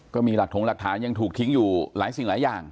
ก็มีหลักถงหลักฐานยังถูกทิ้งอยู่หลายสิ่งหลายอย่าง